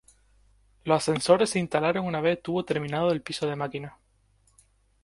Los ascensores se instalaron una vez estuvo terminado el piso de máquinas.